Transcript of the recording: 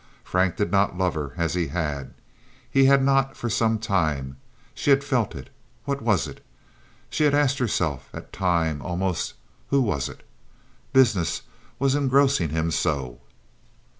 Frank did not love her as he had—he had not for some time; she had felt it. What was it?—she had asked herself at times—almost, who was it? Business was engrossing him so.